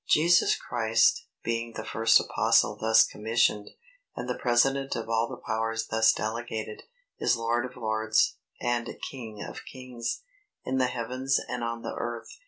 Jesus Christ, being the first Apostle thus commissioned, and the President of all the powers thus delegated, is Lord of lords, and King of kings, in the heavens and on the earth.